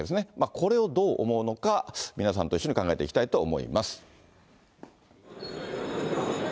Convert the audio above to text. これをどう思うのか、皆さんと一緒に考えていきたいと思います。